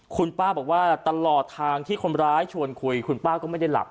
คุณป้าบอกว่าตลอดทางที่คนร้ายชวนคุยคุณป้าก็ไม่ได้หลับ